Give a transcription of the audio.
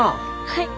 はい。